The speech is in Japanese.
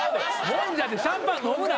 もんじゃでシャンパン飲むな。